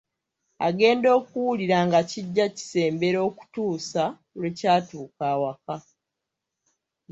Agenda okuwulira nga kijja kisembera okutuusa, lwe kyatuuka awaka.